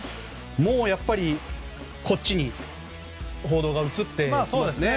もうやっぱりこっちに報道が移っていますね。